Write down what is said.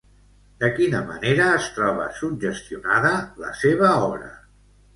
De quina manera es troba suggestionada la seva obra?